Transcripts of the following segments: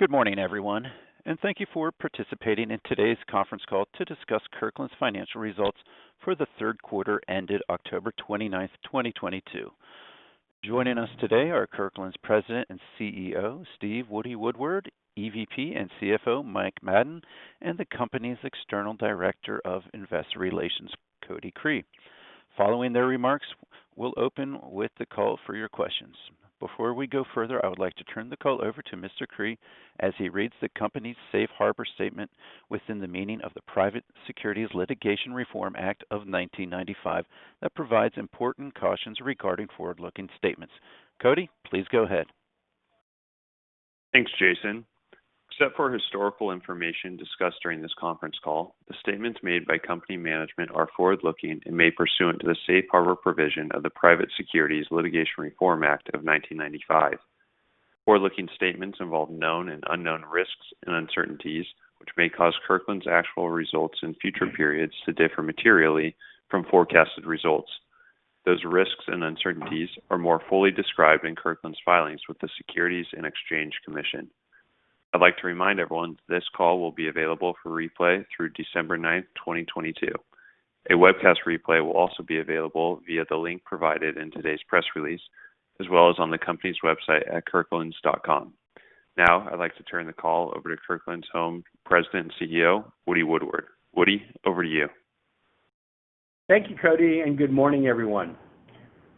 Good morning, everyone, and thank you for participating in today's conference call to discuss Kirkland's financial results for the Q3 ended October 29, 2022. Joining us today are Kirkland's President and CEO, Steve Woody Woodward, EVP and CFO, Mike Madden, and the company's External Director of Investor Relations, Cody Cree. Following their remarks, we'll open with the call for your questions. Before we go further, I would like to turn the call over to Mr. Cree as he reads the company's Safe Harbor statement within the meaning of the Private Securities Litigation Reform Act of 1995 that provides important cautions regarding forward-looking statements. Cody, please go ahead. Thanks, Jason. Except for historical information discussed during this conference call, the statements made by company management are forward-looking and made pursuant to the Safe Harbor provision of the Private Securities Litigation Reform Act of 1995. Forward-looking statements involve known and unknown risks and uncertainties, which may cause Kirkland's actual results in future periods to differ materially from forecasted results. Those risks and uncertainties are more fully described in Kirkland's filings with the Securities and Exchange Commission. I'd like to remind everyone this call will be available for replay through December 9th, 2022. A webcast replay will also be available via the link provided in today's press release, as well as on the company's website at kirklands.com. I'd like to turn the call over to Kirkland's Home President and CEO, Woody Woodward. Woody, over to you. Thank you, Cody, and good morning, everyone.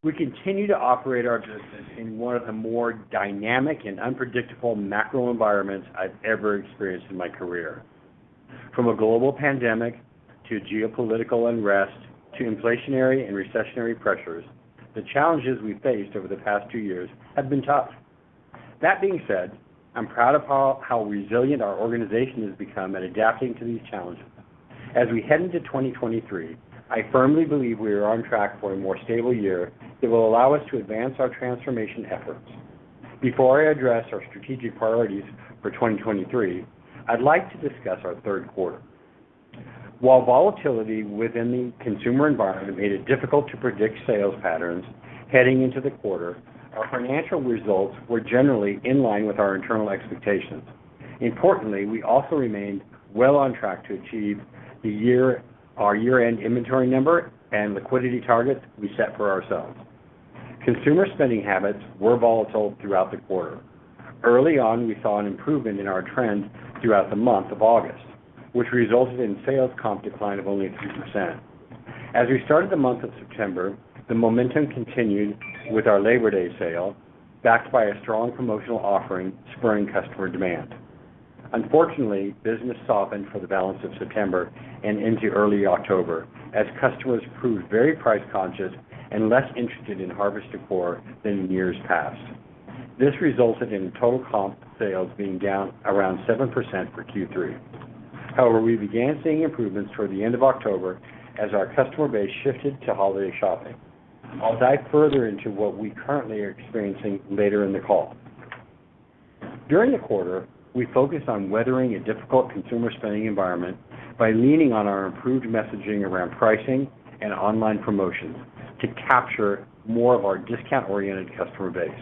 We continue to operate our business in one of the more dynamic and unpredictable macro environments I've ever experienced in my career. From a global pandemic to geopolitical unrest to inflationary and recessionary pressures, the challenges we faced over the past two years have been tough. That being said, I'm proud of how resilient our organization has become at adapting to these challenges. As we head into 2023, I firmly believe we are on track for a more stable year that will allow us to advance our transformation efforts. Before I address our strategic priorities for 2023, I'd like to discuss our Q3. While volatility within the consumer environment made it difficult to predict sales patterns heading into the quarter, our financial results were generally in line with our internal expectations. Importantly, we also remained well on track to achieve our year-end inventory number and liquidity targets we set for ourselves. Consumer spending habits were volatile throughout the quarter. Early on, we saw an improvement in our trend throughout the month of August, which resulted in sales comp decline of only 2%. We started the month of September, the momentum continued with our Labor Day sale, backed by a strong promotional offering, spurring customer demand. Unfortunately, business softened for the balance of September and into early October as customers proved very price conscious and less interested in harvest decor than in years past. This resulted in total comp sales being down around 7% for Q3. We began seeing improvements toward the end of October as our customer base shifted to holiday shopping. I'll dive further into what we currently are experiencing later in the call. During the quarter, we focused on weathering a difficult consumer spending environment by leaning on our improved messaging around pricing and online promotions to capture more of our discount-oriented customer base.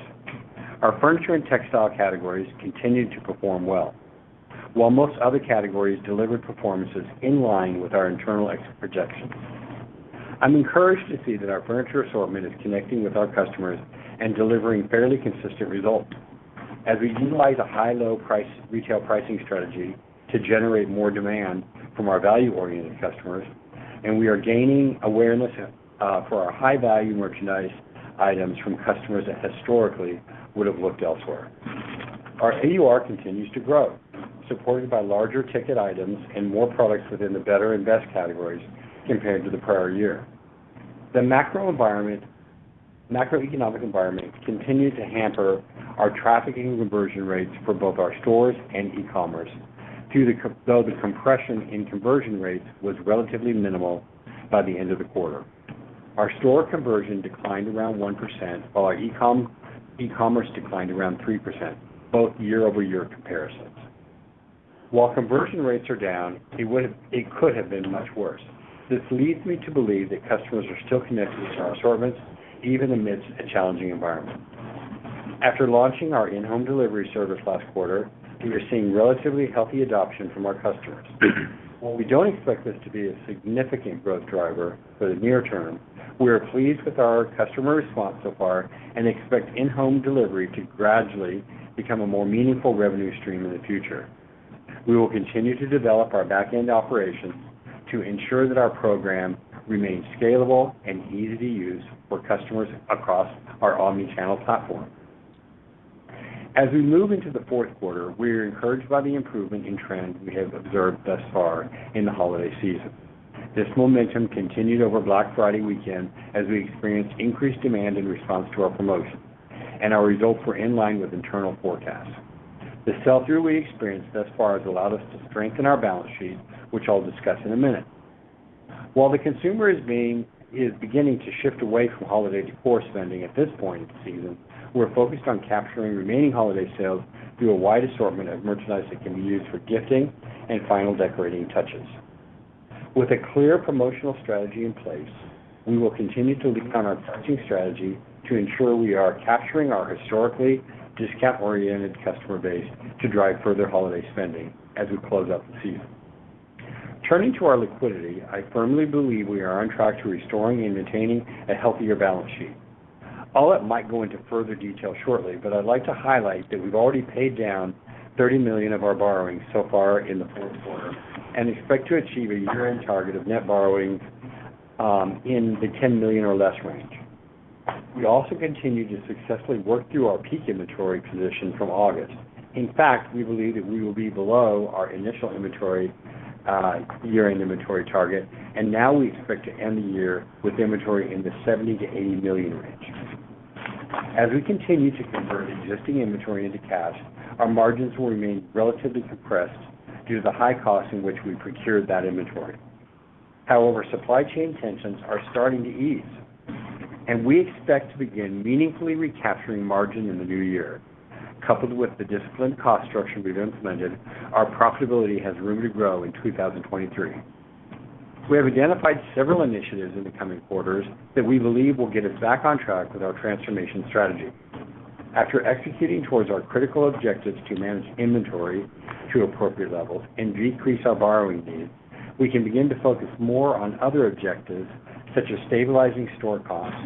Our furniture and textile categories continued to perform well, while most other categories delivered performances in line with our internal ex- projections. I'm encouraged to see that our furniture assortment is connecting with our customers and delivering fairly consistent results as we utilize a high-low retail pricing strategy to generate more demand from our value-oriented customers, and we are gaining awareness for our high-value merchandise items from customers that historically would have looked elsewhere. Our AUR continues to grow, supported by larger ticket items and more products within the better invest categories compared to the prior year. The macroeconomic environment continued to hamper our traffic and conversion rates for both our stores and e-commerce, though the compression in conversion rates was relatively minimal by the end of the quarter. Our store conversion declined around 1%, while our e-commerce declined around 3%, both year-over-year comparisons. While conversion rates are down, it could have been much worse. This leads me to believe that customers are still connecting with our assortments, even amidst a challenging environment. After launching our in-home delivery service last quarter, we are seeing relatively healthy adoption from our customers. While we don't expect this to be a significant growth driver for the near term, we are pleased with our customer response so far and expect in-home delivery to gradually become a more meaningful revenue stream in the future. We will continue to develop our back-end operations to ensure that our program remains scalable and easy to use for customers across our omni-channel platform. As we move into the Q4, we are encouraged by the improvement in trends we have observed thus far in the holiday season. This momentum continued over Black Friday weekend as we experienced increased demand in response to our promotions, and our results were in line with internal forecasts. The sell-through we experienced thus far has allowed us to strengthen our balance sheet, which I'll discuss in a minute. While the consumer is beginning to shift away from holiday decor spending at this point in the season, we're focused on capturing remaining holiday sales through a wide assortment of merchandise that can be used for gifting and final decorating touches. With a clear promotional strategy in place, we will continue to lean on our pricing strategy to ensure we are capturing our historically discount-oriented customer base to drive further holiday spending as we close out the season. Turning to our liquidity, I firmly believe we are on track to restoring and maintaining a healthier balance sheet. I'll let Mike go into further detail shortly, but I'd like to highlight that we've already paid down $30 million of our borrowings so far in the Q4 and expect to achieve a year-end target of net borrowing in the $10 million or less range. We also continue to successfully work through our peak inventory position from August. In fact, we believe that we will be below our initial inventory, year-end inventory target. Now we expect to end the year with inventory in the $70 million-$80 million range. As we continue to convert existing inventory into cash, our margins will remain relatively compressed due to the high cost in which we procured that inventory. Supply chain tensions are starting to ease, and we expect to begin meaningfully recapturing margin in the new year. Coupled with the disciplined cost structure we've implemented, our profitability has room to grow in 2023. We have identified several initiatives in the coming quarters that we believe will get us back on track with our transformation strategy. After executing towards our critical objectives to manage inventory to appropriate levels and decrease our borrowing needs, we can begin to focus more on other objectives, such as stabilizing store costs,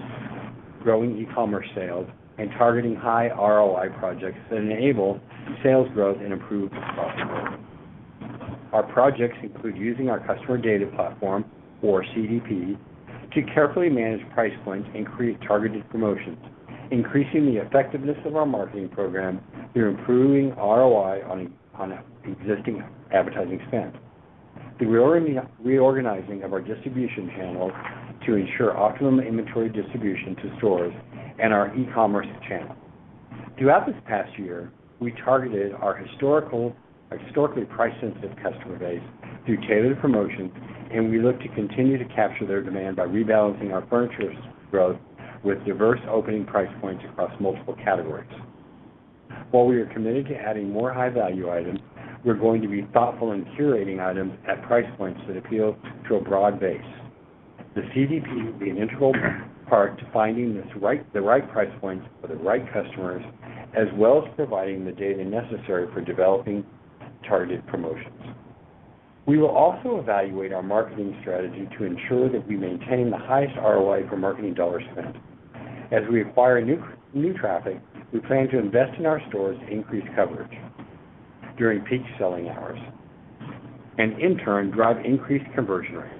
growing e-commerce sales, and targeting high ROI projects that enable sales growth and improved profitability. Our projects include using our customer data platform or CDP to carefully manage price points and create targeted promotions, increasing the effectiveness of our marketing program through improving ROI on existing advertising spend. Reorganizing of our distribution channels to ensure optimum inventory distribution to stores and our e-commerce channel. Throughout this past year, we targeted our historically price-sensitive customer base through tailored promotions, and we look to continue to capture their demand by rebalancing our furniture growth with diverse opening price points across multiple categories. While we are committed to adding more high-value items, we're going to be thoughtful in curating items at price points that appeal to a broad base. The CDP will be an integral part to finding the right price points for the right customers, as well as providing the data necessary for developing targeted promotions. We will also evaluate our marketing strategy to ensure that we maintain the highest ROI for marketing dollars spent. As we acquire new traffic, we plan to invest in our stores to increase coverage during peak selling hours and, in turn, drive increased conversion rates.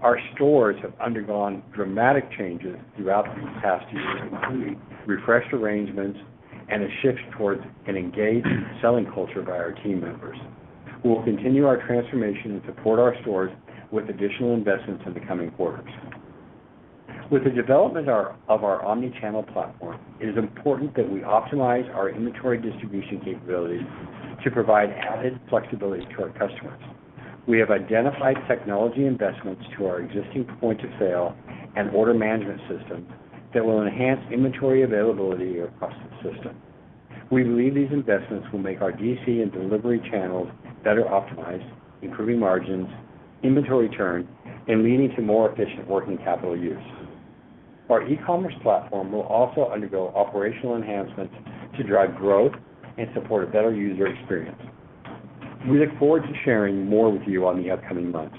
Our stores have undergone dramatic changes throughout the past year, including refreshed arrangements and a shift towards an engaged selling culture by our team members. We'll continue our transformation and support our stores with additional investments in the coming quarters. With the development of our omni-channel platform, it is important that we optimize our inventory distribution capabilities to provide added flexibility to our customers. We have identified technology investments to our existing point-of-sale and order management systems that will enhance inventory availability across the system. We believe these investments will make our DC and delivery channels better optimized, improving margins, inventory turn, and leading to more efficient working capital use. Our e-commerce platform will also undergo operational enhancements to drive growth and support a better user experience. We look forward to sharing more with you on the upcoming months.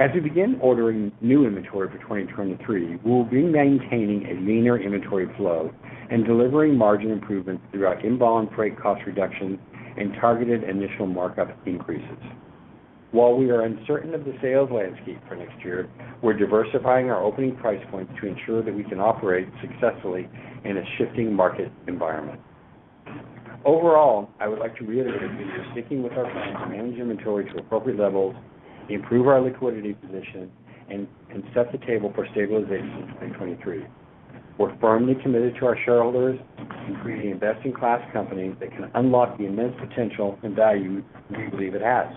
As we begin ordering new inventory for 2023, we will be maintaining a leaner inventory flow and delivering margin improvements through our inbound freight cost reduction and targeted initial markup increases. While we are uncertain of the sales landscape for next year, we're diversifying our opening price points to ensure that we can operate successfully in a shifting market environment. Overall, I would like to reiterate we are sticking with our plan to manage inventory to appropriate levels, improve our liquidity position, and set the table for stabilization in 2023. We're firmly committed to our shareholders in creating an best-in-class company that can unlock the immense potential and value we believe it has.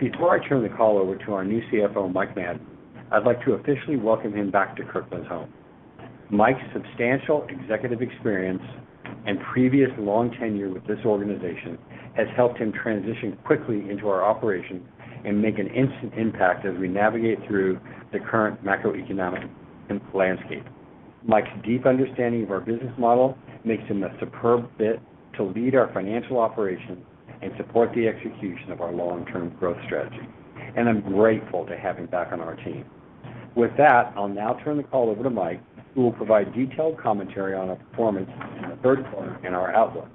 Before I turn the call over to our new CFO, Mike Madden, I'd like to officially welcome him back to Kirkland's Home. Mike's substantial executive experience and previous long tenure with this organization has helped him transition quickly into our operations and make an instant impact as we navigate through the current macroeconomic landscape. Mike's deep understanding of our business model makes him a superb fit to lead our financial operations and support the execution of our long-term growth strategy, and I'm grateful to have him back on our team. With that, I'll now turn the call over to Mike, who will provide detailed commentary on our performance in the Q3 and our outlook.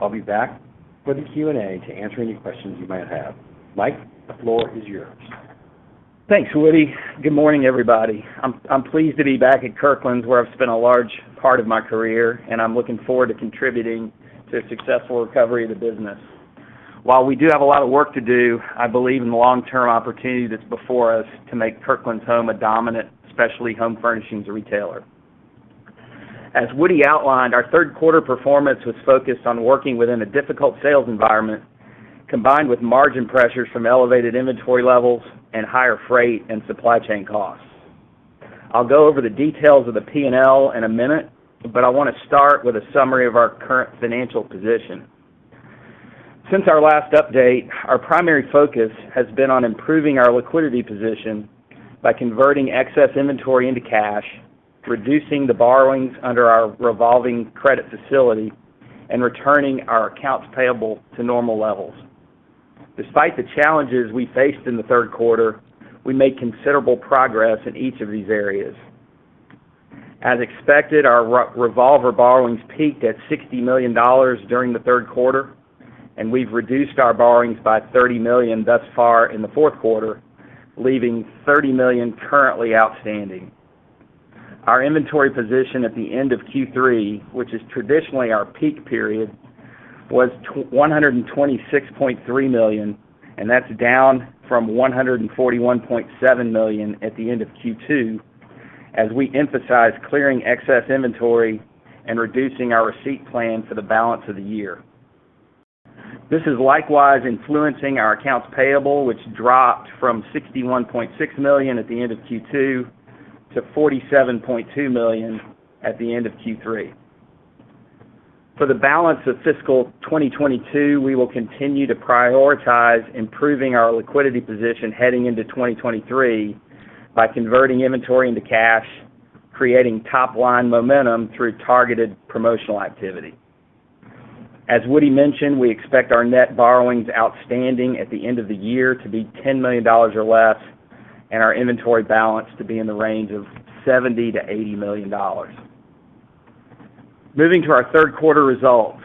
I'll be back for the Q&A to answer any questions you might have. Mike, the floor is yours. Thanks, Woody. Good morning, everybody. I'm pleased to be back at Kirkland's, where I've spent a large part of my career, and I'm looking forward to contributing to a successful recovery of the business. While we do have a lot of work to do, I believe in the long-term opportunity that's before us to make Kirkland's Home a dominant specialty home furnishings retailer. As Woody outlined, our Q3 performance was focused on working within a difficult sales environment, combined with margin pressures from elevated inventory levels and higher freight and supply chain costs. I'll go over the details of the P&L in a minute, I wanna start with a summary of our current financial position. Since our last update, our primary focus has been on improving our liquidity position by converting excess inventory into cash, reducing the borrowings under our revolving credit facility, and returning our accounts payable to normal levels. Despite the challenges we faced in the Q3, we made considerable progress in each of these areas. As expected, our revolver borrowings peaked at $60 million during the Q3. We've reduced our borrowings by $30 million thus far in the Q4, leaving $30 million currently outstanding. Our inventory position at the end of Q3, which is traditionally our peak period, was $126.3 million. That's down from $141.7 million at the end of Q2 as we emphasize clearing excess inventory and reducing our receipt plan for the balance of the year. This is likewise influencing our accounts payable, which dropped from $61.6 million at the end of Q2 to $47.2 million at the end of Q3. For the balance of fiscal 2022, we will continue to prioritize improving our liquidity position heading into 2023 by converting inventory into cash, creating top-line momentum through targeted promotional activity. As Woody mentioned, we expect our net borrowings outstanding at the end of the year to be $10 million or less, and our inventory balance to be in the range of $70 million-$80 million. Moving to our Q3 results.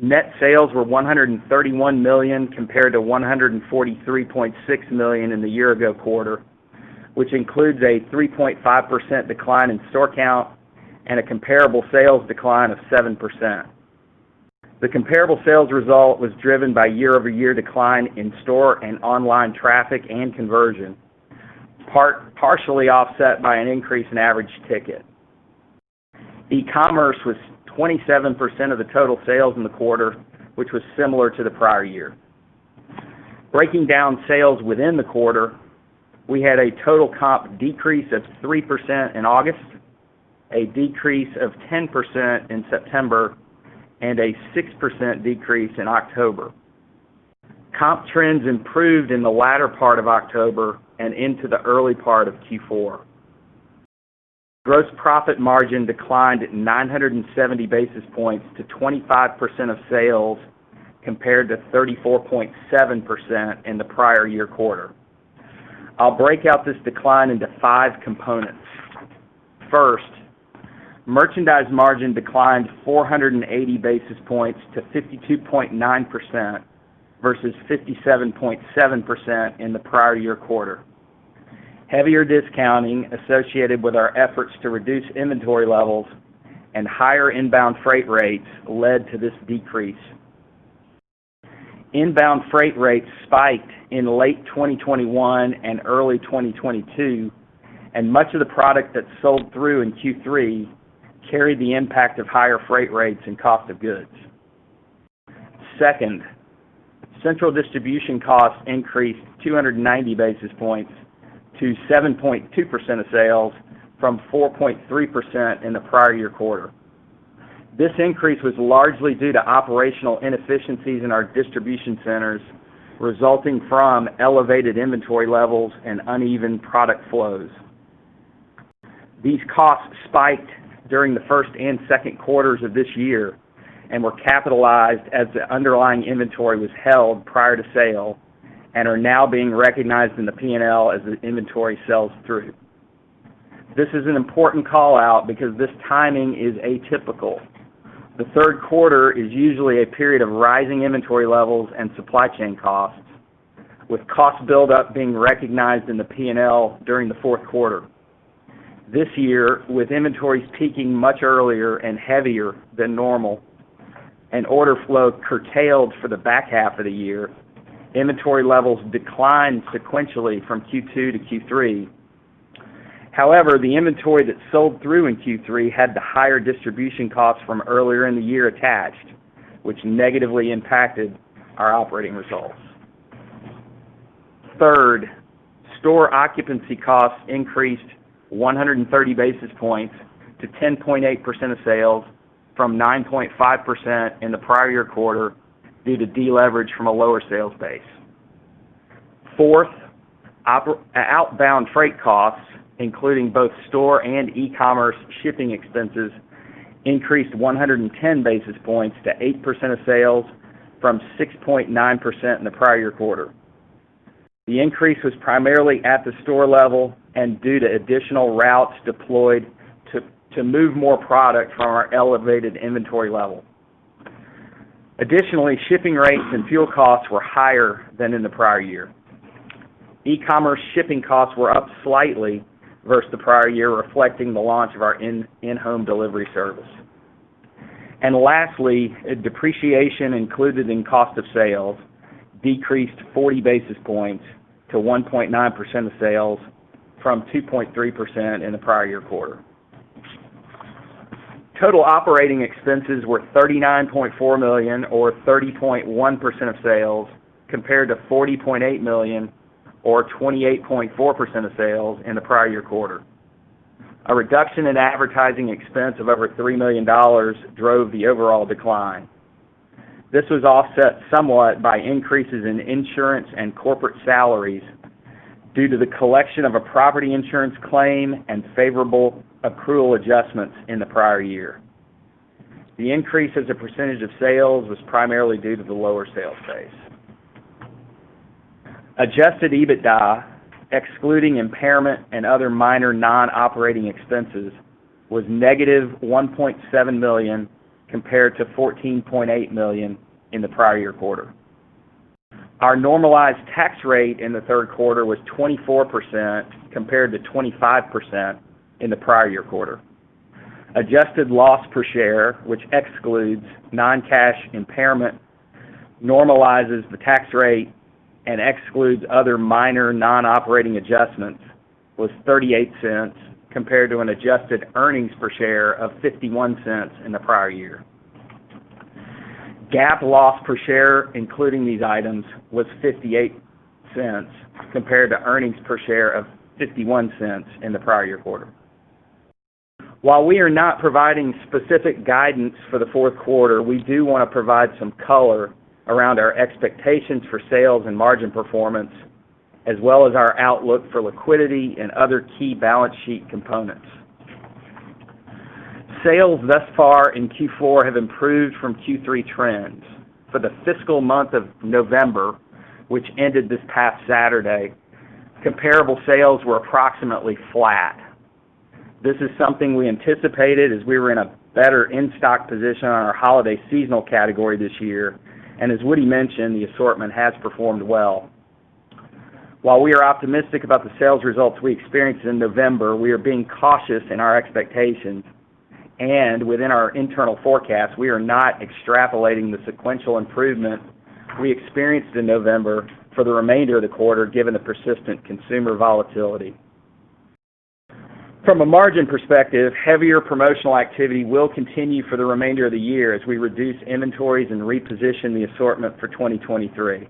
Net sales were $131 million compared to $143.6 million in the year ago quarter, which includes a 3.5% decline in store count and a comparable sales decline of 7%. The comparable sales result was driven by year-over-year decline in store and online traffic and conversion, partially offset by an increase in average ticket. E-commerce was 27% of the total sales in the quarter, which was similar to the prior year. Breaking down sales within the quarter, we had a total comp decrease of 3% in August, a decrease of 10% in September, and a 6% decrease in October. Comp trends improved in the latter part of October and into the early part of Q4. Gross profit margin declined at 970 basis points to 25% of sales compared to 34.7% in the prior year quarter. I'll break out this decline into five components. First, merchandise margin declined 480 basis points to 52.9% versus 57.7% in the prior year quarter. Heavier discounting associated with our efforts to reduce inventory levels and higher inbound freight rates led to this decrease. Inbound freight rates spiked in late 2021 and early 2022, and much of the product that sold through in Q3 carried the impact of higher freight rates and cost of goods. Second, central distribution costs increased 290 basis points to 7.2% of sales from 4.3% in the prior year quarter. This increase was largely due to operational inefficiencies in our distribution centers resulting from elevated inventory levels and uneven product flows. These costs spiked during the 1st and 2nd quarters of this year and were capitalized as the underlying inventory was held prior to sale and are now being recognized in the P&L as the inventory sells through. This is an important call-out because this timing is atypical. The Q3 is usually a period of rising inventory levels and supply chain costs, with cost buildup being recognized in the P&L during the Q4. This year, with inventories peaking much earlier and heavier than normal and order flow curtailed for the back half of the year, inventory levels declined sequentially from Q2 to Q3. However, the inventory that sold through in Q3 had the higher distribution costs from earlier in the year attached, which negatively impacted our operating results. Third, store occupancy costs increased 130 basis points to 10.8% of sales from 9.5% in the prior year quarter due to deleverage from a lower sales base. Fourth, outbound freight costs, including both store and e-commerce shipping expenses, increased 110 basis points to 8% of sales from 6.9% in the prior year quarter. The increase was primarily at the store level and due to additional routes deployed to move more product from our elevated inventory level. Shipping rates and fuel costs were higher than in the prior year. E-commerce shipping costs were up slightly versus the prior year, reflecting the launch of our in-home delivery service. Lastly, a depreciation included in cost of sales decreased 40 basis points to 1.9% of sales from 2.3% in the prior year quarter. Total operating expenses were $39.4 million or 30.1% of sales compared to $40.8 million or 28.4% of sales in the prior year quarter. A reduction in advertising expense of over $3 million drove the overall decline. This was offset somewhat by increases in insurance and corporate salaries due to the collection of a property insurance claim and favorable accrual adjustments in the prior year. The increase as a percentage of sales was primarily due to the lower sales base. Adjusted EBITDA, excluding impairment and other minor non-operating expenses, was negative $1.7 million compared to $14.8 million in the prior year quarter. Our normalized tax rate in the Q3 was 24% compared to 25% in the prior year quarter. Adjusted loss per share, which excludes non-cash impairment, normalizes the tax rate, and excludes other minor non-operating adjustments, was $0.38 compared to an adjusted earnings per share of $0.51 in the prior year. GAAP loss per share, including these items, was $0.58 compared to earnings per share of $0.51 in the prior year quarter. While we are not providing specific guidance for the Q4, we do wanna provide some color around our expectations for sales and margin performance, as well as our outlook for liquidity and other key balance sheet components. Sales thus far in Q4 have improved from Q3 trends. For the fiscal month of November, which ended this past Saturday, comparable sales were approximately flat. This is something we anticipated as we were in a better in-stock position on our holiday seasonal category this year. As Woody mentioned, the assortment has performed well. While we are optimistic about the sales results we experienced in November, we are being cautious in our expectations, and within our internal forecasts, we are not extrapolating the sequential improvement we experienced in November for the remainder of the quarter, given the persistent consumer volatility. From a margin perspective, heavier promotional activity will continue for the remainder of the year as we reduce inventories and reposition the assortment for 2023.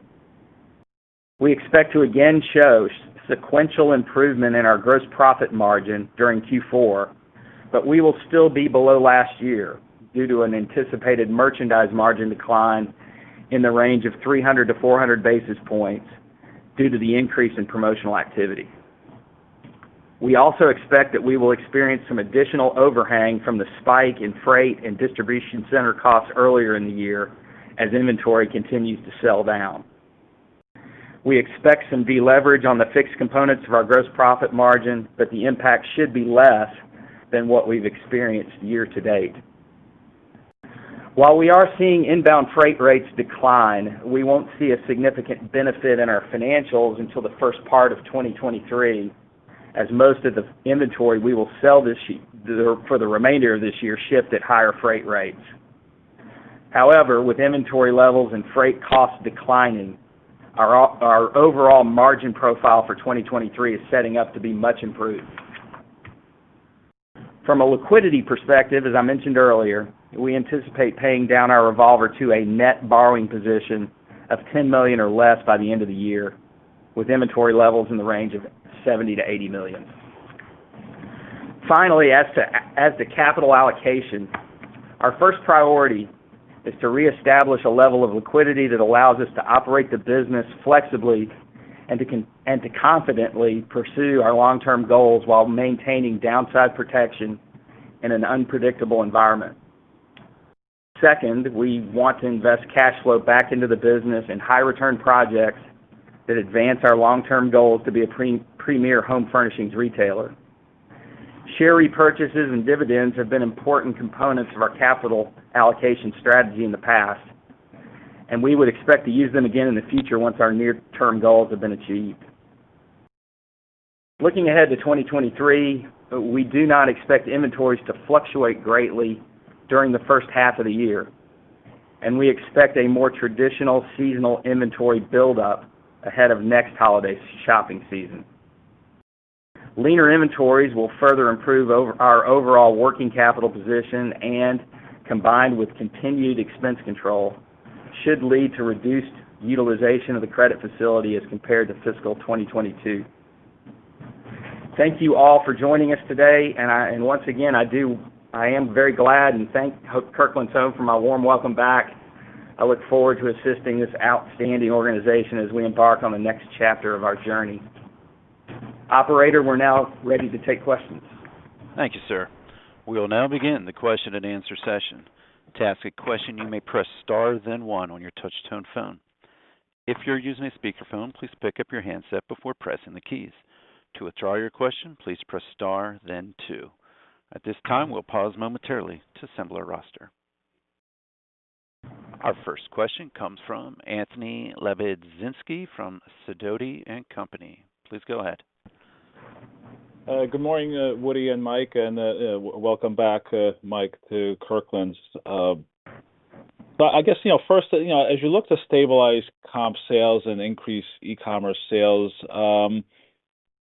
We expect to again show sequential improvement in our gross profit margin during Q4, but we will still be below last year due to an anticipated merchandise margin decline in the range of 300-400 basis points due to the increase in promotional activity. We also expect that we will experience some additional overhang from the spike in freight and distribution center costs earlier in the year as inventory continues to sell down. We expect some deleverage on the fixed components of our gross profit margin, but the impact should be less than what we've experienced year-to-date. While we are seeing inbound freight rates decline, we won't see a significant benefit in our financials until the first part of 2023, as most of the inventory we will sell for the remainder of this year shipped at higher freight rates. With inventory levels and freight costs declining, our overall margin profile for 2023 is setting up to be much improved. From a liquidity perspective, as I mentioned earlier, we anticipate paying down our revolver to a net borrowing position of $10 million or less by the end of the year, with inventory levels in the range of $70 million-$80 million. Finally, as to capital allocation, our first priority is to reestablish a level of liquidity that allows us to operate the business flexibly and to confidently pursue our long-term goals while maintaining downside protection in an unpredictable environment. Second, we want to invest cash flow back into the business in high return projects that advance our long-term goals to be a pre-premier home furnishings retailer. Share repurchases and dividends have been important components of our capital allocation strategy in the past, and we would expect to use them again in the future once our near-term goals have been achieved. Looking ahead to 2023, we do not expect inventories to fluctuate greatly during the first half of the year. We expect a more traditional seasonal inventory buildup ahead of next holiday shopping season. Leaner inventories will further improve our overall working capital position, combined with continued expense control, should lead to reduced utilization of the credit facility as compared to fiscal 2022. Thank you all for joining us today. Once again, I am very glad and thank Kirkland's Home for my warm welcome back. I look forward to assisting this outstanding organization as we embark on the next chapter of our journey. Operator, we're now ready to take questions. Thank you, sir. We'll now begin the question and answer session. To ask a question, you may press star then one on your touch tone phone. If you're using a speakerphone, please pick up your handset before pressing the keys. To withdraw your question, please press star then two. At this time, we'll pause momentarily to assemble our roster. Our first question comes from Anthony Lebiedzinski from Sidoti & Company. Please go ahead. Good morning, Woody and Mike, and welcome back, Mike, to Kirkland's. I guess, you know, first, you know, as you look to stabilize comp sales and increase e-commerce sales,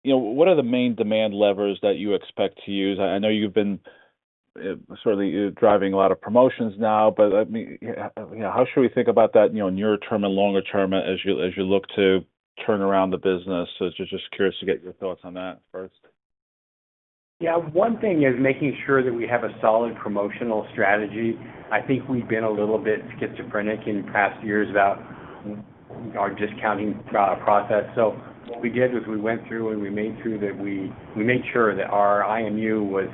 you know, what are the main demand levers that you expect to use? I know you've been, certainly, driving a lot of promotions now, but, I mean, how, you know, how should we think about that, you know, near-term and longer-term as you, as you look to turn around the business? Just, just curious to get your thoughts on that first. One thing is making sure that we have a solid promotional strategy. I think we've been a little bit schizophrenic in past years about our discounting process. What we did was we went through and we made sure that we made sure that our IMU was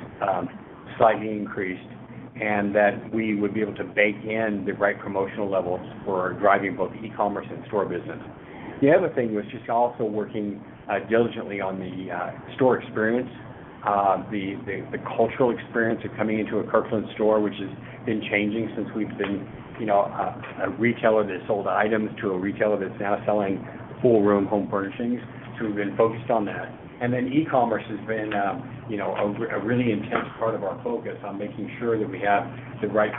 slightly increased, and that we would be able to bake in the right promotional levels for driving both e-commerce and store business. The other thing was just also working diligently on the store experience. The cultural experience of coming into a Kirkland's store, which has been changing since we've been, you know, a retailer that sold items to a retailer that's now selling full room home furnishings. We've been focused on that. e-commerce has been, you know, a really intense part of our focus on making sure that we have the right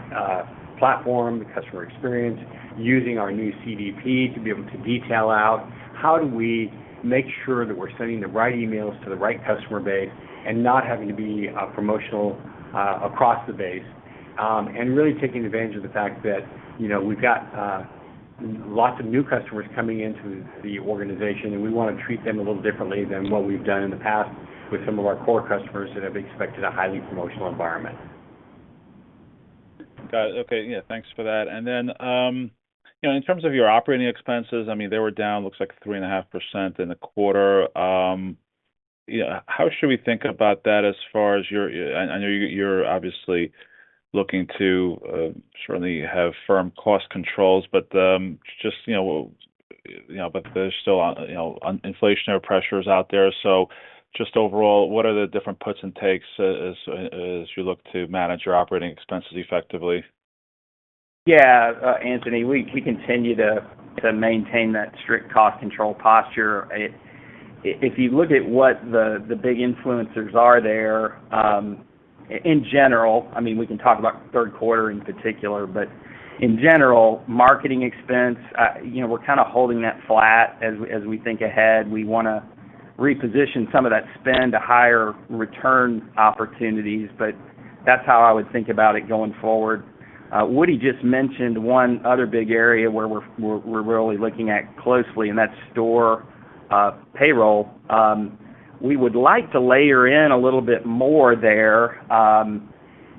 platform, the customer experience, using our new CDP to be able to detail out how do we make sure that we're sending the right emails to the right customer base and not having to be promotional across the base. Really taking advantage of the fact that, you know, we've got lots of new customers coming into the organization, and we wanna treat them a little differently than what we've done in the past with some of our core customers that have expected a highly promotional environment. Got it. Okay. Yeah, thanks for that. Then, you know, in terms of your operating expenses, I mean, they were down, looks like 3.5% in the quarter. You know, how should we think about that as far as your... I know you're obviously looking to certainly have firm cost controls, but, just, you know, but there's still, you know, un-inflationary pressures out there. Just overall, what are the different puts and takes as you look to manage your operating expenses effectively? Anthony, we continue to maintain that strict cost control posture. If you look at what the big influencers are there, in general, I mean, we can talk about Q3 in particular, but in general, marketing expense, you know, we're kind of holding that flat. As we think ahead, we wanna reposition some of that spend to higher return opportunities, but that's how I would think about it going forward. Woody just mentioned one other big area where we're really looking at closely, and that's store payroll. We would like to layer in a little bit more there,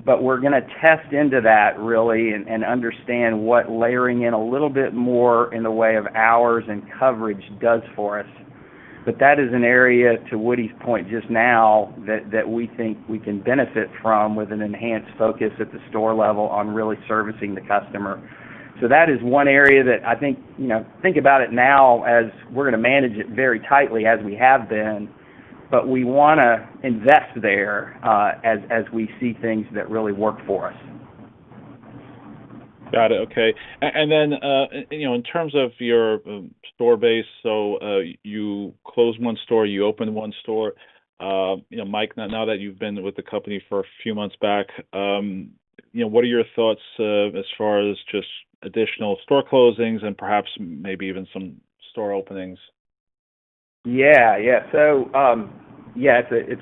but we're gonna test into that really and understand what layering in a little bit more in the way of hours and coverage does for us. That is an area, to Woody's point just now, that we think we can benefit from with an enhanced focus at the store level on really servicing the customer. That is one area that I think, you know, think about it now as we're gonna manage it very tightly as we have been, but we wanna invest there, as we see things that really work for us. Got it. Okay. You know, in terms of your store base, so, you closed one store, you opened one store. You know, Mike, now that you've been with the company for a few months back, you know, what are your thoughts as far as just additional store closings and perhaps maybe even some store openings? Yeah. Yeah. So, it's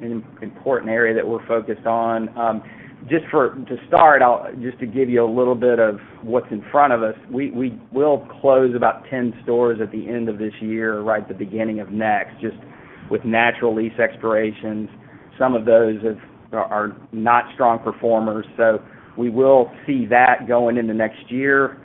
an important area that we're focused on. Just to start, just to give you a little bit of what's in front of us, we will close about 10 stores at the end of this year, right at the beginning of next, just with natural lease expirations. Some of those are not strong performers. We will see that going into next year.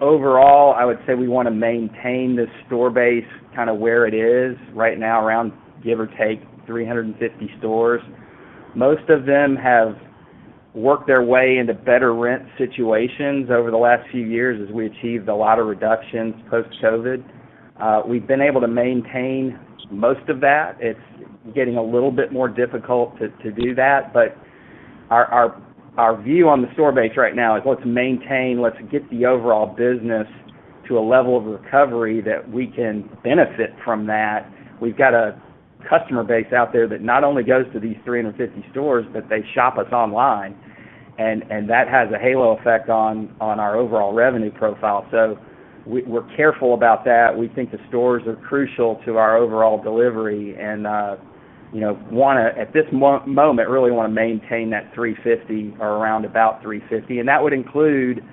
Overall, I would say we wanna maintain the store base kinda where it is right now, around, give or take, 350 stores. Most of them have worked their way into better rent situations over the last few years as we achieved a lot of reductions post-COVID. We've been able to maintain most of that. It's getting a little bit more difficult to do that. Our view on the store base right now is let's maintain, let's get the overall business to a level of recovery that we can benefit from that. We've got a customer base out there that not only goes to these 350 stores, but they shop us online, and that has a halo effect on our overall revenue profile. We're careful about that. We think the stores are crucial to our overall delivery and, you know, wanna at this moment, really wanna maintain that 350 or around about 350. That would include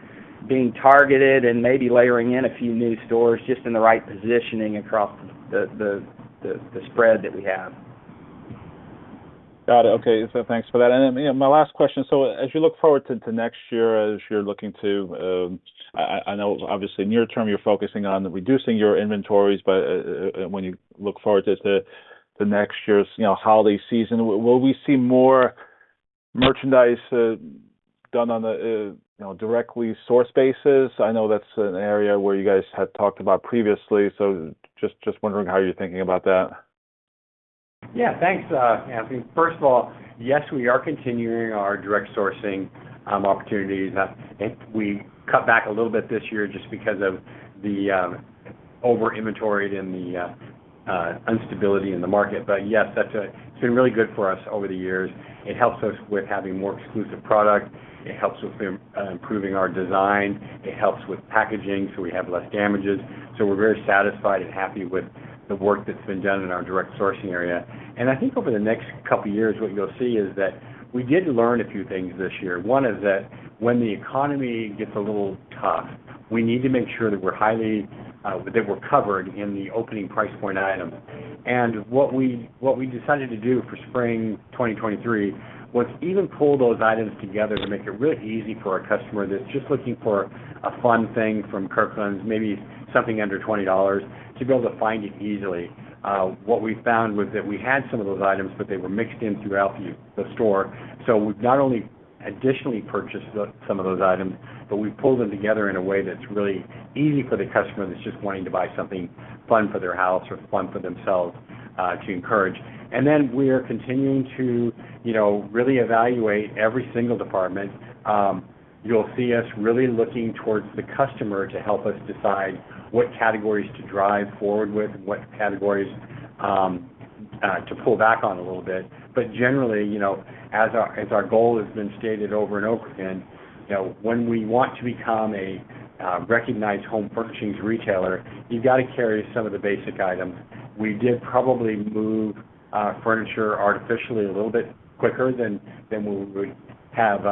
being targeted and maybe layering in a few new stores just in the right positioning across the spread that we have. Got it. Okay. Thanks for that. Then, you know, my last question. As you look forward to next year, as you're looking to. I know obviously near term you're focusing on reducing your inventories, but, when you look forward to the next year's, you know, holiday season, will we see more merchandise, done on a, you know, directly sourced basis? I know that's an area where you guys had talked about previously. Just wondering how you're thinking about that. Yeah. Thanks, Anthony. First of all, yes, we are continuing our direct sourcing opportunities. We cut back a little bit this year just because of the over-inventoried in the instability in the market. Yes, that's it's been really good for us over the years. It helps us with having more exclusive product. It helps with improving our design. It helps with packaging, so we have less damages. We're very satisfied and happy with the work that's been done in our direct sourcing area. I think over the next couple years, what you'll see is that we did learn a few things this year. One is that when the economy gets a little tough, we need to make sure that we're highly that we're covered in the opening price point item. What we decided to do for Spring 2023, was even pull those items together to make it really easy for our customer that's just looking for a fun thing from Kirkland's, maybe something under $20, to be able to find it easily. What we found was that we had some of those items, but they were mixed in throughout the store. We've not only additionally purchased some of those items, but we pulled them together in a way that's really easy for the customer that's just wanting to buy something fun for their house or fun for themselves, to encourage. Then we're continuing to, you know, really evaluate every single department. You'll see us really looking towards the customer to help us decide what categories to drive forward with and what categories to pull back on a little bit. Generally, you know, as our goal has been stated over and over again, you know, when we want to become a recognized home furnishings retailer, you've got to carry some of the basic items. We did probably move furniture artificially a little bit quicker than we would have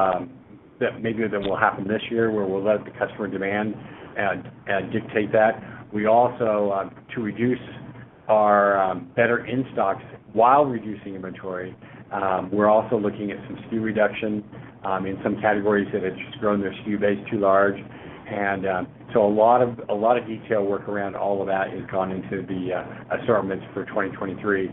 that maybe than will happen this year, where we'll let the customer demand dictate that. We also to reduce our better in-stocks while reducing inventory, we're also looking at some SKU reduction in some categories that have just grown their SKU base too large. A lot of, a lot of detail work around all of that has gone into the assortments for 2023.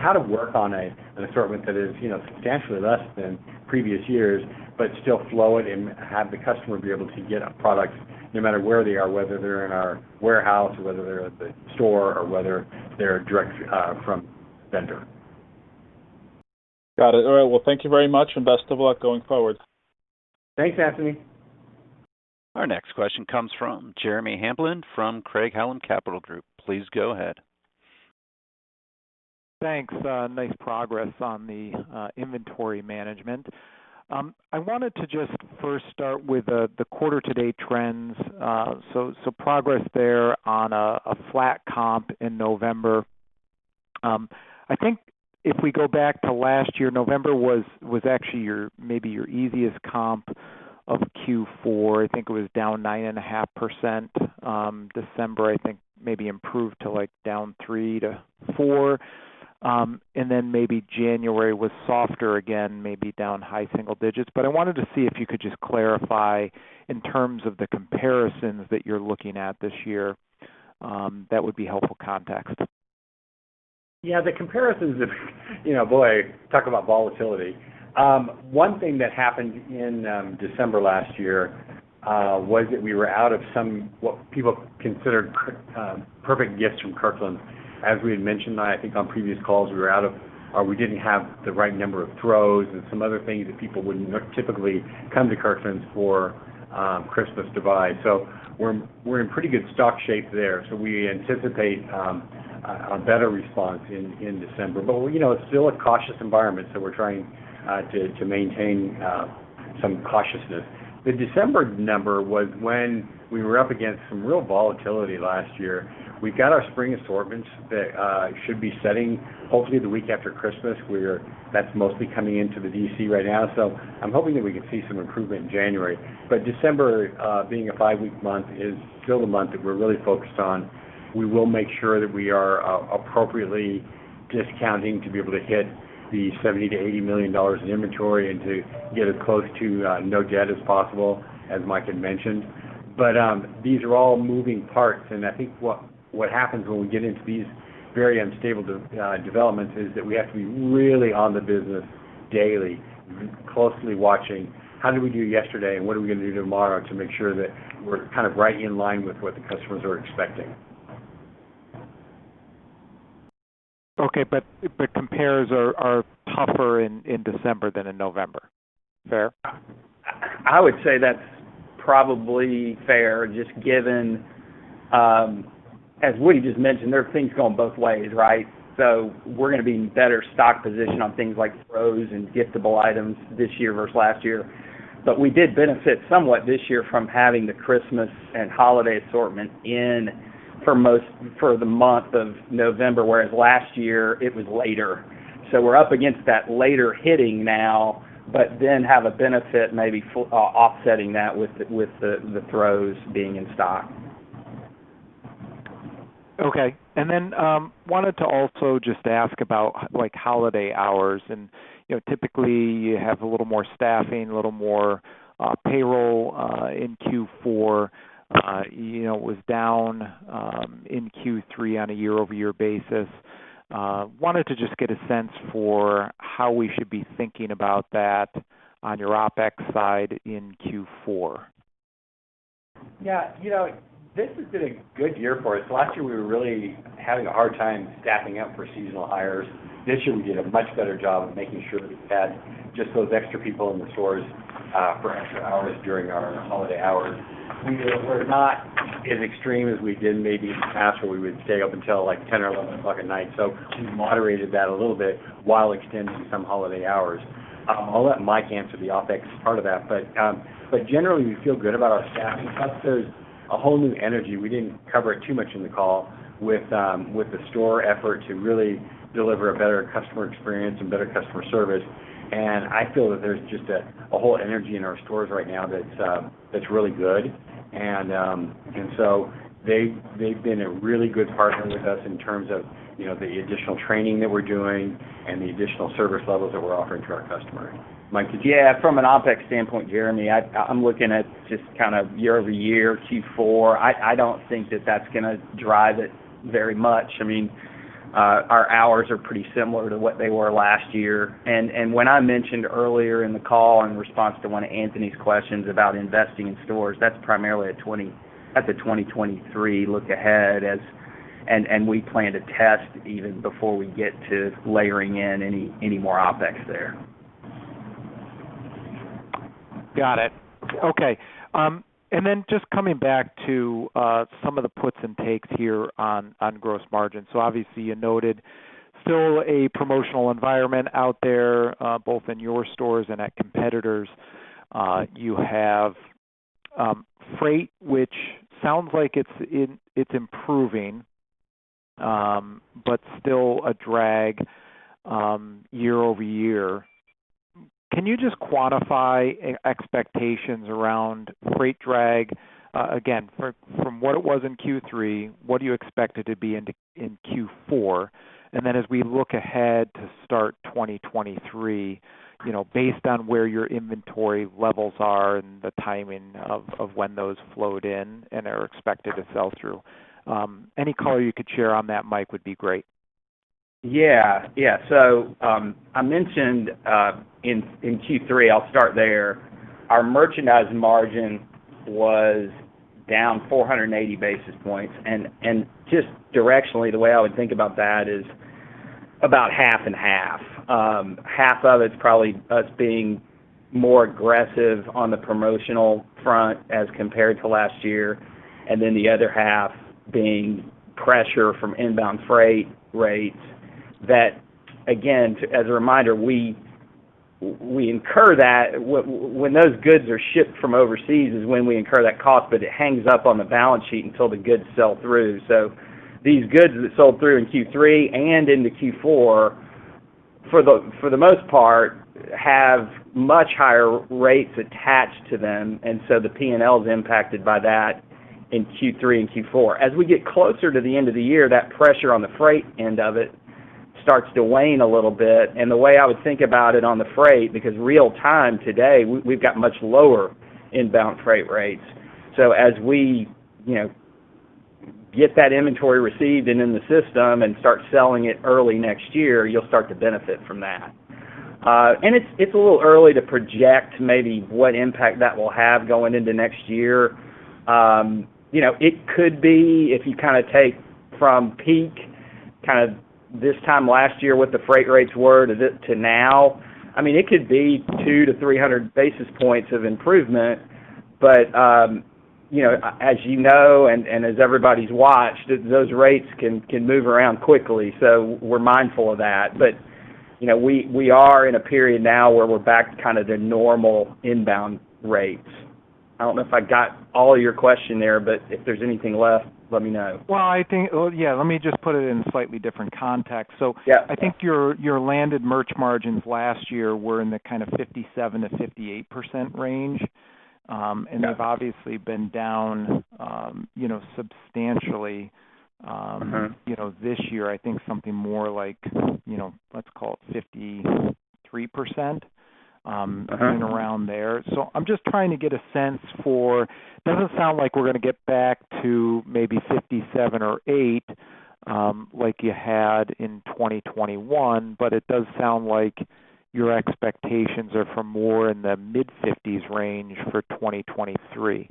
How to work on an assortment that is, you know, substantially less than previous years, but still flow it and have the customer be able to get products no matter where they are, whether they're in our warehouse, or whether they're at the store or whether they're direct from vendor. Got it. All right. Thank you very much, and best of luck going forward. Thanks, Anthony. Our next question comes from Jeremy Hamblin from Craig-Hallum Capital Group. Please go ahead. Thanks. Nice progress on the inventory management. I wanted to just first start with the quarter-to-date trends. Progress there on a flat comp in November. I think if we go back to last year, November was actually your, maybe your easiest comp of Q4. I think it was down 9.5%. December, I think maybe improved to, like, down 3%-4%. Then maybe January was softer again, maybe down high single digits. I wanted to see if you could just clarify in terms of the comparisons that you're looking at this year, that would be helpful context. Yeah, the comparisons of you know, boy, talk about volatility. One thing that happened in December last year was that we were out of some, what people considered perfect gifts from Kirkland's. As we had mentioned, I think on previous calls, we were out of, or we didn't have the right number of throws and some other things that people would not typically come to Kirkland's for Christmas to buy. We're in pretty good stock shape there. We anticipate a better response in December. You know, it's still a cautious environment, so we're trying to maintain some cautiousness. The December number was when we were up against some real volatility last year. We've got our spring assortments that should be setting hopefully the week after Christmas. That's mostly coming into the DC right now. I'm hoping that we can see some improvement in January. December, being a five-week month is still a month that we're really focused on. We will make sure that we are appropriately discounting to be able to hit the $70 million-$80 million in inventory and to get as close to no debt as possible, as Mike had mentioned. These are all moving parts, and I think what happens when we get into these very unstable developments is that we have to be really on the business daily, closely watching how did we do yesterday and what are we gonna do tomorrow to make sure that we're kind of right in line with what the customers are expecting. Okay. Compares are tougher in December than in November. Fair? I would say that's probably fair, just given, as Woody just mentioned, there are things going both ways, right? We're gonna be in better stock position on things like throws and giftable items this year versus last year. We did benefit somewhat this year from having the Christmas and holiday assortment in for the month of November, whereas last year, it was later. We're up against that later hitting now, but then have a benefit maybe offsetting that with the throws being in stock. Okay. Wanted to also just ask about, like, holiday hours. You know, typically, you have a little more staffing, a little more payroll in Q4. You know, it was down in Q3 on a year-over-year basis. Wanted to just get a sense for how we should be thinking about that on your OpEx side in Q4. You know, this has been a good year for us. Last year, we were really having a hard time staffing up for seasonal hires. This year, we did a much better job of making sure that we had just those extra people in the stores for extra hours during our holiday hours. We were not as extreme as we did maybe in the past where we would stay up until like 10 or 11 o'clock at night. We moderated that a little bit while extending some holiday hours. I'll let Mike answer the OpEx part of that. But generally, we feel good about our staffing. Plus, there's a whole new energy. We didn't cover it too much in the call with the store effort to really deliver a better customer experience and better customer service. I feel that there's just a whole energy in our stores right now that's really good. They've been a really good partner with us in terms of, you know, the additional training that we're doing and the additional service levels that we're offering to our customers. Mike. Yeah, from an OpEx standpoint, Jeremy, I'm looking at just kind of year-over-year Q4. I don't think that that's gonna drive it very much. I mean, our hours are pretty similar to what they were last year. When I mentioned earlier in the call in response to one of Anthony's questions about investing in stores, that's primarily a 2023 look ahead and we plan to test even before we get to layering in any more OpEx there. Got it. Okay. Then just coming back to some of the puts and takes here on gross margin. Obviously, you noted still a promotional environment out there, both in your stores and at competitors. You have freight, which sounds like it's improving, but still a drag year-over-year. Can you just quantify expectations around freight drag, again, from what it was in Q3, what do you expect it to be in Q4? Then as we look ahead to start 2023, you know, based on where your inventory levels are and the timing of when those flowed in and are expected to sell through, any color you could share on that, Mike, would be great. I mentioned in Q3, I'll start there. Our merchandise margin was down 480 basis points. Just directionally, the way I would think about that is about half and half. Half of it's probably us being more aggressive on the promotional front as compared to last year, and then the other half being pressure from inbound freight rates that again, as a reminder, we incur that when those goods are shipped from overseas is when we incur that cost, but it hangs up on the balance sheet until the goods sell through. These goods that sold through in Q3 and into Q4, for the most part, have much higher rates attached to them. The P&L is impacted by that in Q3 and Q4. As we get closer to the end of the year, that pressure on the freight end of it starts to wane a little bit. The way I would think about it on the freight, because real time today, we've got much lower inbound freight rates. As we, you know, get that inventory received and in the system and start selling it early next year, you'll start to benefit from that. It's, it's a little early to project maybe what impact that will have going into next year. You know, it could be if you kinda take from peak kind of this time last year, what the freight rates were to to now, I mean, it could be 200-300 basis points of improvement. You know, as you know, and, as everybody's watched, those rates can move around quickly. We're mindful of that. You know, we are in a period now where we're back to kind of the normal inbound rates. I don't know if I got all your question there, but if there's anything left, let me know. Well, yeah, let me just put it in a slightly different context. Yeah. I think your landed merch margins last year were in the kind of 57%-58% range. They've obviously been down, you know, substantially. Mm-hmm... you know, this year, I think something more like, you know, let's call it 53%. Mm-hmm ... and around there. I'm just trying to get a sense for. It doesn't sound like we're gonna get back to maybe 57 or 8, like you had in 2021, but it does sound like your expectations are for more in the mid-50s range for 2023. Is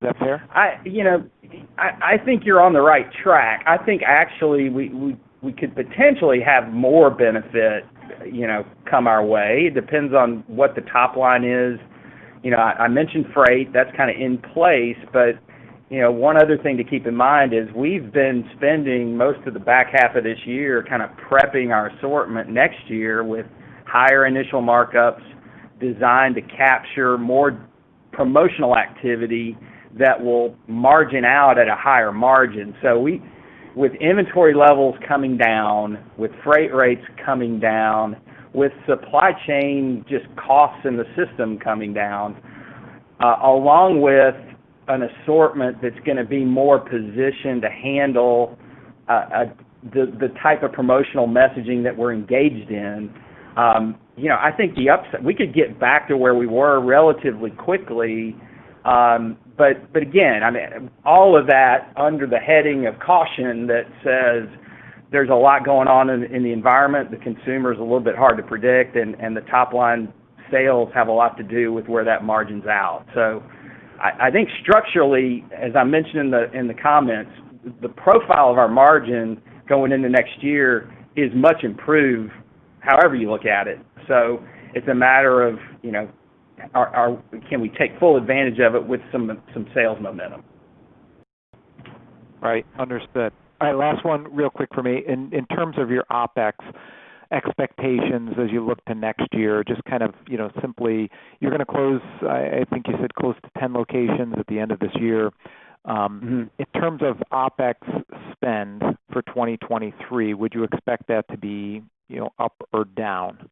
that fair? I, you know, I think you're on the right track. I think actually we could potentially have more benefit, you know, come our way. It depends on what the top line is. You know, I mentioned freight, that's kinda in place. You know, one other thing to keep in mind is we've been spending most of the back half of this year kind of prepping our assortment next year with higher initial markups designed to capture more promotional activity that will margin out at a higher margin. With inventory levels coming down, with freight rates coming down, with supply chain just costs in the system coming down, along with an assortment that's gonna be more positioned to handle the type of promotional messaging that we're engaged in, you know, I think We could get back to where we were relatively quickly. But again, I mean, all of that under the heading of caution that says there's a lot going on in the environment, the consumer's a little bit hard to predict, and the top-line sales have a lot to do with where that margin's out. I think structurally, as I mentioned in the comments, the profile of our margin going into next year is much improved however you look at it.It's a matter of, you know, can we take full advantage of it with some sales momentum? Right. Understood. All right, last one real quick for me. In terms of your OpEx expectations as you look to next year, just kind of, you know, simply you're gonna close, I think you said close to 10 locations at the end of this year. Mm-hmm in terms of OpEx spend for 2023, would you expect that to be, you know, up or down,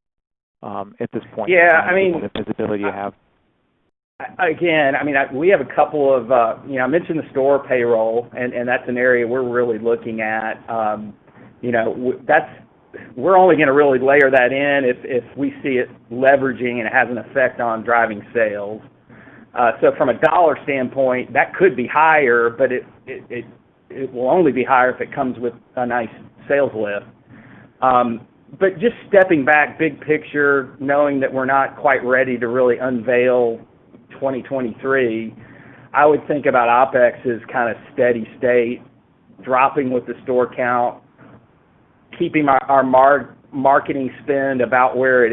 at this point? Yeah, I mean. the visibility you have? I mean, we have a couple of, you know, I mentioned the store payroll, and that's an area we're really looking at. You know, we're only gonna really layer that in if we see it leveraging and it has an effect on driving sales. From a dollar standpoint, that could be higher, but it will only be higher if it comes with a nice sales lift. Just stepping back big picture, knowing that we're not quite ready to really unveil 2023, I would think about OpEx as kind of steady state, dropping with the store count, keeping our marketing spend about where it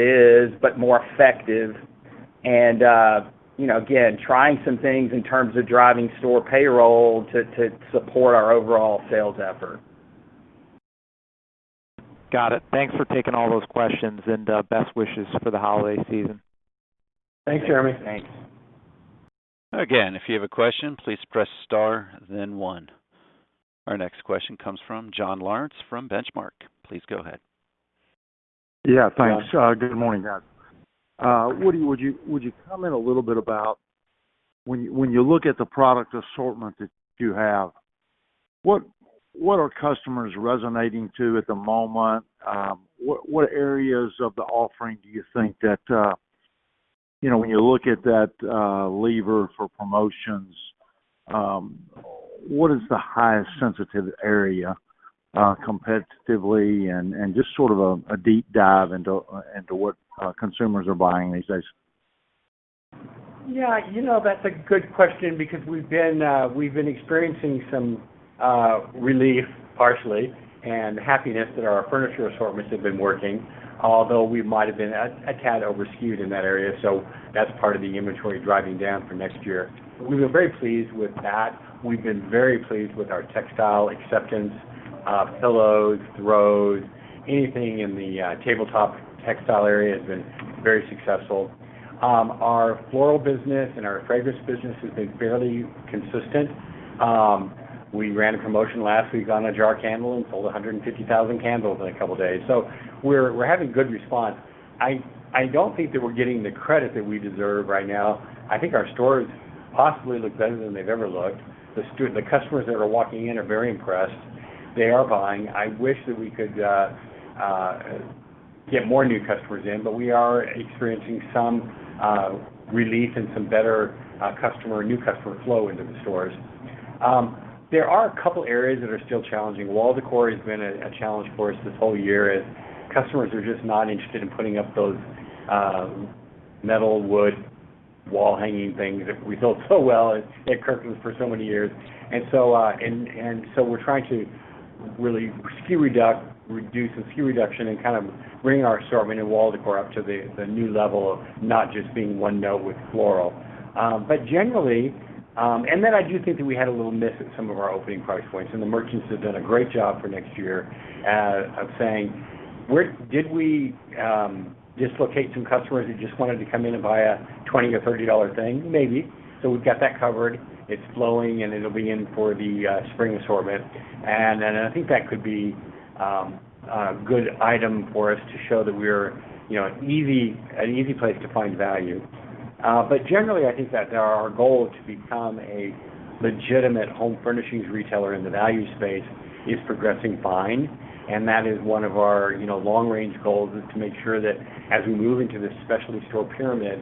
is, but more effective and, you know, again, trying some things in terms of driving store payroll to support our overall sales effort. Got it. Thanks for taking all those questions. Best wishes for the holiday season. Thanks, Jeremy. Thanks. Again, if you have a question, please press star then one. Our next question comes from John Lawrence from Benchmark. Please go ahead. Yeah, thanks. Good morning, guys. Woody, would you comment a little bit about when you look at the product assortment that you have, what are customers resonating to at the moment? What areas of the offering do you think that, you know, when you look at that lever for promotions, what is the highest sensitive area competitively? Just sort of a deep dive into what consumers are buying these days. You know, that's a good question because we've been experiencing some relief partially and happiness that our furniture assortments have been working, although we might have been a tad over-skewed in that area, so that's part of the inventory driving down for next year. We've been very pleased with that. We've been very pleased with our textile acceptance, pillows, throws. Anything in the tabletop textile area has been very successful. Our floral business and our fragrance business has been fairly consistent. We ran a promotion last week on a jar candle and sold 150,000 candles in a couple days. We're having good response. I don't think that we're getting the credit that we deserve right now. I think our stores possibly look better than they've ever looked. The customers that are walking in are very impressed. They are buying. I wish that we could get more new customers in, but we are experiencing some relief and some better customer, new customer flow into the stores. There are a couple areas that are still challenging. Wall decor has been a challenge for us this whole year as customers are just not interested in putting up those metal wood wall hanging things that we sold so well at Kirkland's for so many years. So we're trying to really reduce some SKU reduction and kind of bring our assortment and wall decor up to the new level of not just being one note with floral. Generally, I do think that we had a little miss at some of our opening price points, and the merchants have done a great job for next year at saying, "Where did we dislocate some customers who just wanted to come in and buy a $20-$30 thing?" Maybe. We've got that covered. It's flowing, and it'll be in for the spring assortment. I think that could be a good item for us to show that we're, you know, easy, an easy place to find value. Generally, I think that our goal to become a legitimate home furnishings retailer in the value space is progressing fine. That is one of our, you know, long-range goals, is to make sure that as we move into this specialty store pyramid,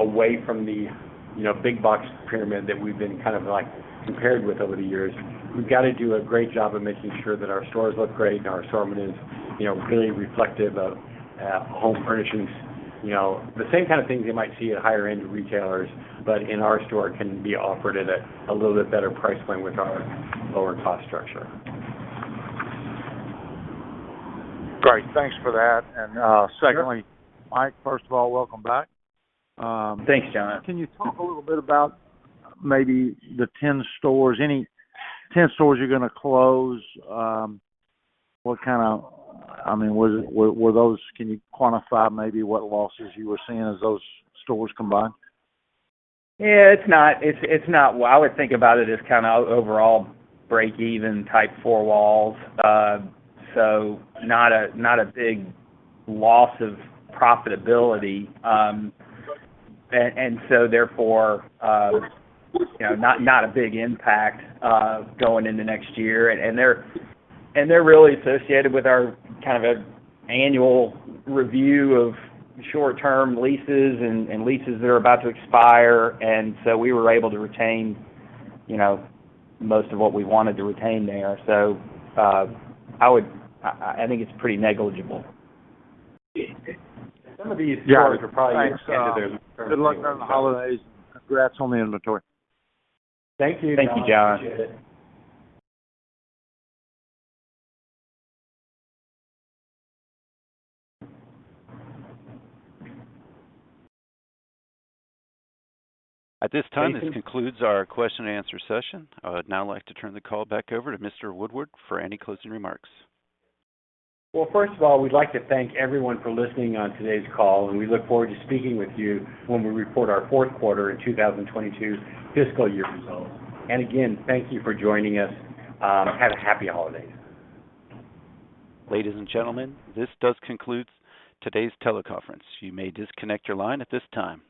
away from the, you know, big box pyramid that we've been kind of like compared with over the years, we've got to do a great job of making sure that our stores look great and our assortment is, you know, really reflective of home furnishings. You know, the same kind of things you might see at higher-end retailers, but in our store can be offered at a little bit better price point with our lower cost structure. Great. Thanks for that. Sure secondly, Mike, first of all, welcome back. Thanks, John. Can you talk a little bit about maybe the 10 stores, any 10 stores you're gonna close? I mean, were those, can you quantify maybe what losses you were seeing as those stores combined? Yeah. It's not, it's not what I would think about it as kind of overall break-even type four walls. Not a big loss of profitability, therefore, you know, not a big impact going into next year. They're really associated with our kind of annual review of short-term leases and leases that are about to expire. We were able to retain, you know, most of what we wanted to retain there. I think it's pretty negligible. Some of these stores are probably at the end of their term anyway. Good luck on the holidays. Congrats on the inventory. Thank you, John. Appreciate it. Thanks. At this time, this concludes our question and answer session. I would now like to turn the call back over to Mr. Woodward for any closing remarks. Well, first of all, we'd like to thank everyone for listening on today's call, and we look forward to speaking with you when we report our Q4 in 2022 fiscal year results. Again, thank you for joining us. Have a happy holidays. Ladies and gentlemen, this does conclude today's teleconference. You may disconnect your line at this time.